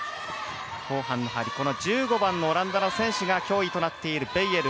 １５番のオランダの選手が脅威となっているベイエル。